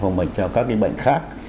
phòng bệnh cho các cái bệnh khác